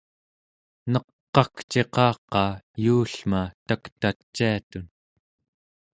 neq'akciqaqa yuullma taktaciatun